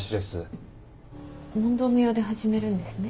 問答無用で始めるんですね。